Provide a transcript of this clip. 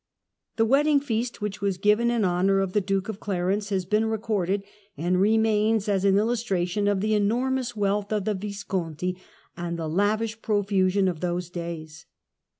The wedding feast which was given in honour of the Duke of Clarence has been recorded, and remains as an illustration of the enormous wealth of the Visconti, and of the lavish profusion of those days.